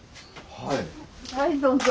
はいどうぞ。